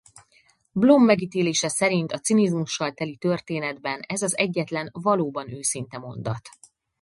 Blum megítélése szerint a cinizmussal teli történetben ez az egyetlen valóban őszinte mondat.